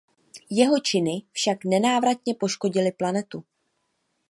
Jeho činy však nenávratně poškodily planetu.